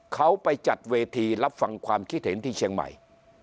เขาไปจัดเวทีรับฟังความคิดเห็นที่เชียงใหม่